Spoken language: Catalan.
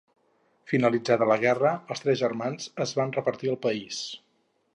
Finalitzada la guerra, els tres germans es van repartir el país.